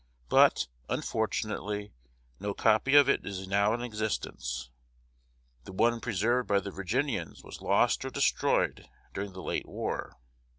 But, unfortunately, no copy of it is now in existence. The one preserved by the Virginians was lost or destroyed during the late war.